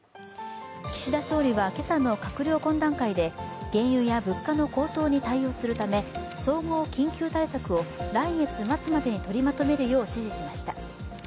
岸田総理は今朝の閣僚懇談会で、原油や物価の高騰に対応するため総合緊急対策を来月末までに取りまとめるよう指示しました。